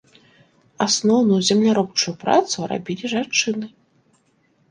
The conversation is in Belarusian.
Асноўную земляробчую працу рабілі жанчыны.